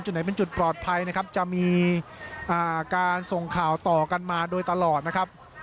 ไหนเป็นจุดปลอดภัยนะครับจะมีการส่งข่าวต่อกันมาโดยตลอดนะครับ